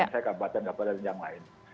saya kabupaten kabupaten yang lain